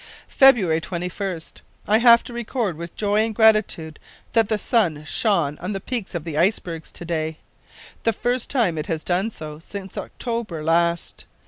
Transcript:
"February 21st. I have to record, with joy and gratitude, that the sun shone on the peaks of the ice bergs to day. The first time it has done so since October last.